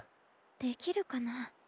できるかな。